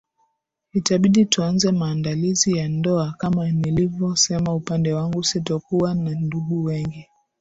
Itabidi tuanze maandalizi ya ndoakama nilivosema upande wangu sitokuwa na ndugu wengi